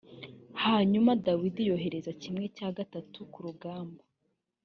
hanyuma dawidi yohereza kimwe cya gatatu ku rugamba